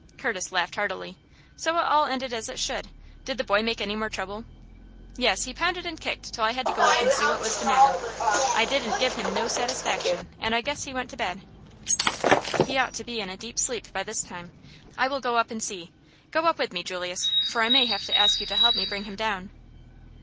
Curtis laughed heartily. "So it all ended as it should. Did the boy make any more trouble?" "Yes; he pounded and kicked till I had to go up and see what was the matter. I didn't give him no satisfaction, and I guess he went to bed." "He ought to be in a deep sleep by this time. I will go up and see. Go up with me, Julius, for I may have to ask you to help me bring him down."